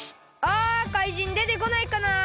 あかいじんでてこないかなあ。